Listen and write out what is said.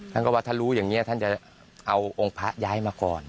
ท่านก็ว่าถ้ารู้อย่างนี้ท่านจะเอาองค์พระย้ายมาก่อน